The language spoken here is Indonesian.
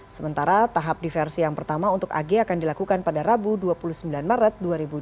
sementara tahap diversi yang pertama untuk ag akan dilakukan pada rabu dua puluh sembilan maret dua ribu dua puluh